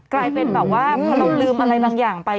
กลายเป็นแบบว่าพอเราลืมอะไรบางอย่างไป